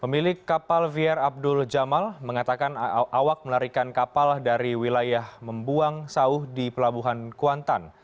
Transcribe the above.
pemilik kapal fier abdul jamal mengatakan awak melarikan kapal dari wilayah membuang sauh di pelabuhan kuantan